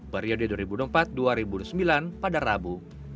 periode dua ribu empat dua ribu sembilan pada rabu